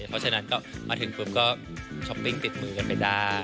เพราะฉะนั้นก็มาถึงปุ๊บก็ช้อปปิ้งติดมือกันไปได้